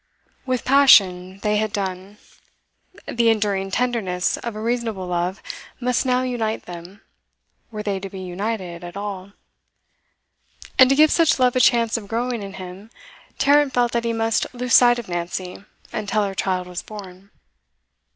With passion they had done; the enduring tenderness of a reasonable love must now unite them, were they to be united at all. And to give such love a chance of growing in him, Tarrant felt that he must lose sight of Nancy until her child was born.